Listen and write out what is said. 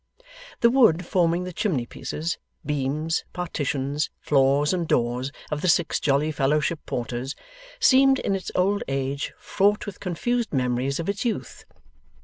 The wood forming the chimney pieces, beams, partitions, floors and doors, of the Six Jolly Fellowship Porters, seemed in its old age fraught with confused memories of its youth.